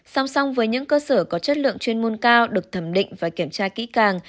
song song với những cơ sở có chất lượng chuyên môn cao được thẩm định và kiểm tra kỹ càng